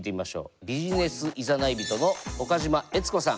ビジネスいざない人の岡島悦子さん